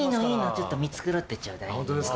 ちょっと見繕ってちょうだい。